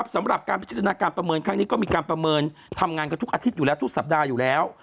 สำหรับการพิจารณาการประเมินครั้งนี้ก็มีการประเมินทำงานกันทุกอาทิตย์อยู่แล้ว